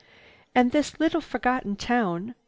"And this little forgotten town?"